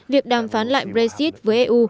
việc đàm phán lại besikt với eu